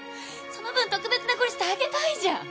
その分特別な子にしてあげたいじゃん！